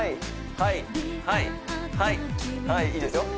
はいはいはいはいいいですよ